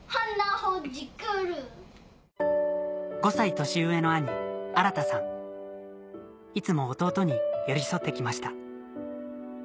ほじくる５歳年上の兄新さんいつも弟に寄り添って来ました